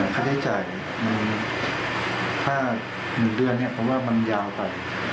ค่าใช้จ่ายถ้าหนึ่งเดือนเนี่ยเพราะว่ามันยาวไป